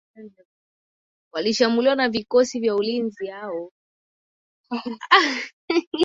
walishambuliwa na vikosi vya ulinzi